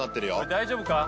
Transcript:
大丈夫か？